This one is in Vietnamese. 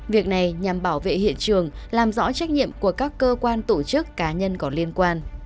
việc này nhằm bảo vệ hiện trường làm rõ trách nhiệm của các cơ quan tổ chức cá nhân có liên quan